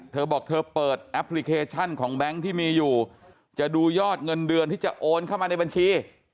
เธอบอกเธอเปิดแอปพลิเคชันของแบงค์ที่มีอยู่จะดูยอดเงินเดือนที่จะโอนเข้ามาในบัญชี